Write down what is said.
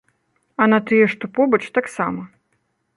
А на тыя, што побач, таксама.